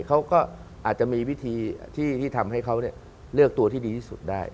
เขาก็อาจจะมีวิธีที่ทำให้เขาเลือกตัวที่ดีที่สุดได้